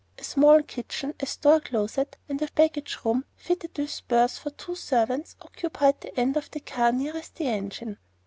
A small kitchen, a store closet, and a sort of baggage room, fitted with berths for two servants, occupied the end of the car nearest the engine.